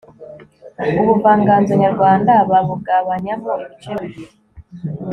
ubuvanganzo nyarwanda babugabanyamo ibice bibiri